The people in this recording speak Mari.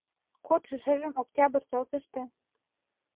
Кодшо шыжым, октябрь тылзыште.